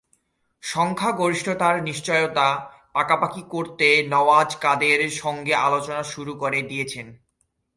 সংখ্যাগরিষ্ঠতার নিশ্চয়তা পাকাপাকি করতে নওয়াজ কাদের সঙ্গে আলোচনা শুরু করে দিয়েছেন?